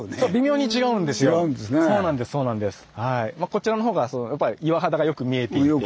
こちらのほうがやっぱり岩肌がよく見えていて。